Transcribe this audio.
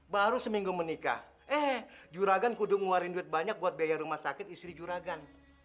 baru seminggu menikah eh juragan kudung ngeluarin duit banyak buat biaya rumah sakit istri juragan